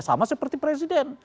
sama seperti presiden